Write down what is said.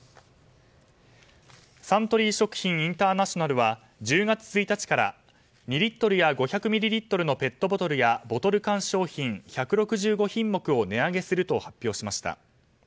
サントリー食品インターナショナルは１０月１日から、２リットルや５００ミリリットルのペットボトルやボトル缶商品１６５品目を値上げすると発表しました。